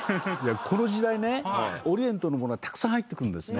この時代ねオリエントのものがたくさん入ってくるんですね。